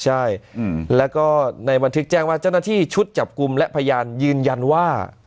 ใช่แล้วก็ในบันทึกแจ้งว่าเจ้าหน้าที่ชุดจับกลุ่มและพยานยืนยันว่า